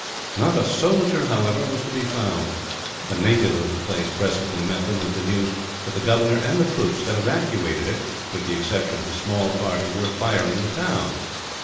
Not a soldier, however, was to be found. A native of the place presently met them, with the news that the governor and troops had evacuated it, with the exception of a small party who were firing the town.